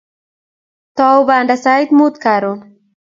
Tou banda siit mutai karon